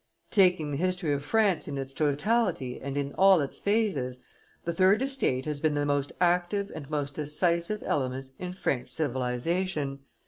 Taking the history of France in its totality and in all its phases, the third estate has been the most active and most decisive element in French civilization.